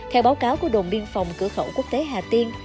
theo báo cáo của đồn biên phòng cửa khẩu quốc tế hà tiên